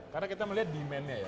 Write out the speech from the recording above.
karena kita melihat demand nya